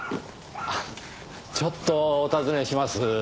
ちょっとお尋ねします。